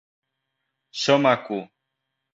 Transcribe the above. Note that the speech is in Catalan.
Som aqu